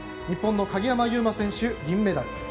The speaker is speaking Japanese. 日本の鍵山優真選手、銀メダル。